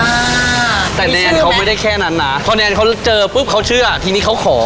อ่าแต่แนนเขาไม่ได้แค่นั้นนะพอแนนเขาเจอปุ๊บเขาเชื่อทีนี้เขาขอ